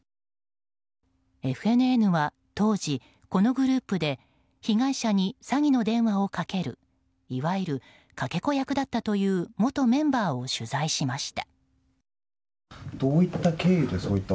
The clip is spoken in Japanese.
ＦＮＮは当時、このグループで被害者に詐欺の電話をかけるいわゆるかけ子役だったという元メンバーを取材しました。